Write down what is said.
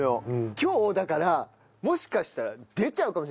今日だからもしかしたら出ちゃうかもしれない。